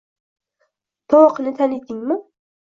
– Tovoqni tanidingmi?